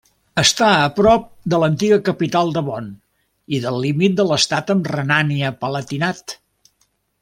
Està a prop de l'antiga capital de Bonn i del límit amb l'estat de Renània-Palatinat.